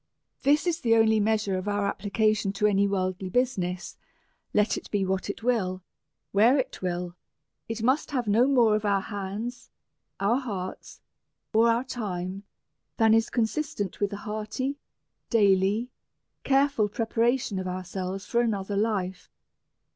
This is the only measure of our application to any worldly business ; let it be what it will, where it will, it must have no more of our hands, our hearts, or our time, than is consistent with an hearty, daily, careful preparation of ourselves foi another life.